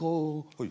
はい。